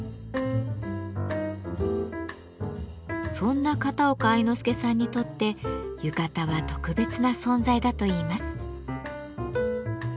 そんな片岡愛之助さんにとって浴衣は特別な存在だといいます。